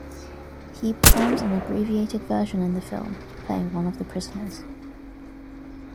He performs an abbreviated version in the film, playing one of the prisoners.